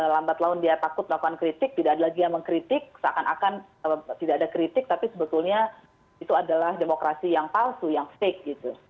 lambat laun dia takut melakukan kritik tidak ada lagi yang mengkritik seakan akan tidak ada kritik tapi sebetulnya itu adalah demokrasi yang palsu yang fake gitu